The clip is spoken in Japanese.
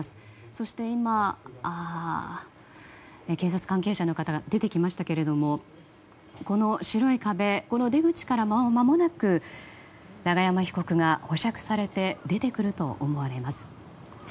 そして今、警察関係者の方が出てきましたけれどもこの白い壁、この出口からまもなく永山被告が保釈されて出てくると思われます。